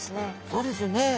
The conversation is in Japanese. そうですよね。